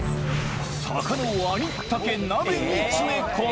魚をありったけ鍋に詰め込む。